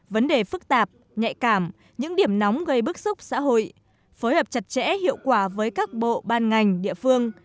vấn đề phức tạp nhạy cảm những điểm nóng gây bức xúc xã hội phối hợp chặt chẽ hiệu quả với các bộ ban ngành địa phương